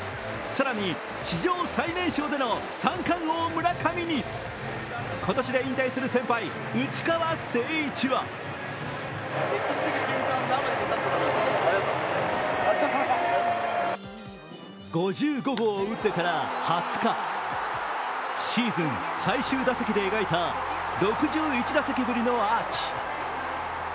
更に史上最年少での三冠王村上に、今年で引退する先輩、内川聖一は５５号を打ってから２０日、シーズン最終打席で描いた６１打席ぶりのアーチ。